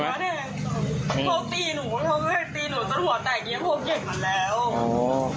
เขาตีหนูเขาตีหนูจนหัวแตกอย่างนี้เขาเก็บมาแล้ว